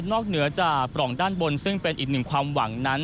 นอกเหนือผลของออกที่เป็นอย่างหนึ่งความหวัง